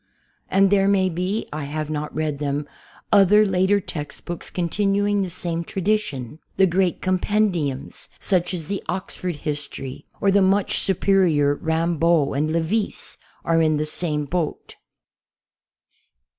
And there may be (I have not read them) other later textbooks continuing the same tradition. The great compendiums, such as the "Oxford History," or the much superior Rambaud and Lavisse, are in the same boat.